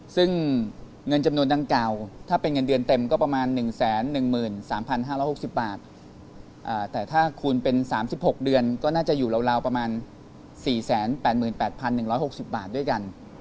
ซึ่งเงินจำนวนดังกล่าวถ้าเป็นเงินเดือนเต็มก็ประมาณ๑๑๓๕๖๐บาทแต่ถ้าคุณเป็น๓๖เดือนก็น่าจะอยู่ราวประมาณ๔๘๘๑๖๐บาทด้วยกัน